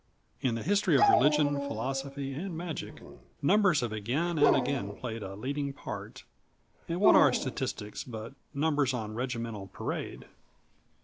In the history of religion, philosophy and magic, numbers have again and again played a leading part; and what are statistics but numbers on regimental parade?